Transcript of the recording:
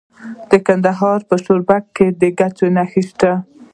د کندهار په شورابک کې د ګچ نښې شته.